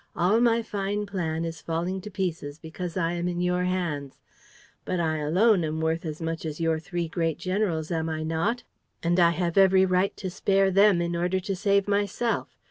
All my fine plan is falling to pieces because I am in your hands. But I alone am worth as much as your three great generals, am I not? And I have every right to spare them in order to save myself.